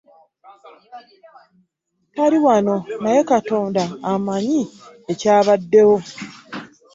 Tali wano naye ne Katonda amanyi ekyabaddewo